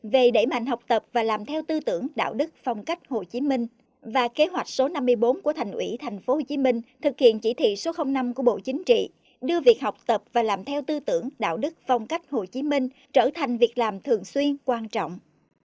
về đẩy mạnh học tập và làm theo tư tưởng đạo đức phong cách hồ chí minh và kế hoạch số năm mươi bốn của thành ủy tp hcm thực hiện chỉ thị số năm của bộ chính trị đưa việc học tập và làm theo tư tưởng đạo đức phong cách hồ chí minh trở thành việc làm thường xuyên quan trọng